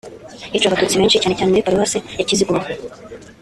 hiciwe Abatutsi benshi cyane cyane muri Paruwasi ya Kiziguro